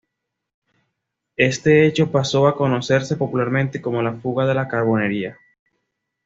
Este hecho pasó a conocerse popularmente como "La fuga de la carbonería".